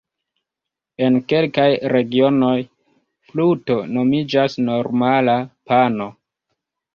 En kelkaj regionoj 'fluto' nomiĝas normala 'pano'.